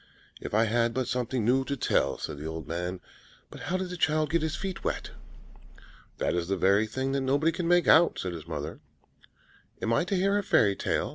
"If I had but something new to tell," said the old man. "But how did the child get his feet wet?" "That is the very thing that nobody can make out," said his mother. "Am I to hear a fairy tale?"